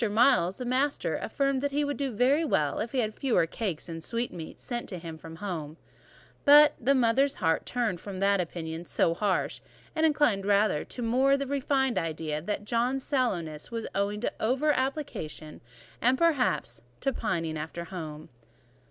Miles, the master, affirmed that he would do very well if he had fewer cakes and sweetmeats sent him from home; but the mother's heart turned from an opinion so harsh, and inclined rather to the more refined idea that John's sallowness was owing to over application and, perhaps, to pining after home.